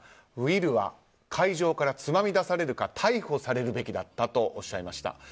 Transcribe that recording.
ウィルは会場からつまみ出されるか逮捕されるべきだったとおっしゃいました。